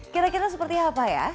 kira kira seperti apa ya